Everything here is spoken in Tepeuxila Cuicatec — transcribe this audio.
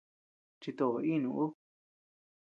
Chito inu ú.